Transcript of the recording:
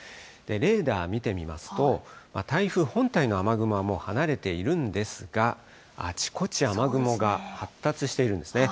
レーダー見てみますと、台風本体の雨雲はもう離れているんですが、あちこち雨雲が発達しているんですね。